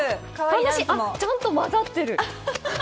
楽しい。ちゃんと混ざってる！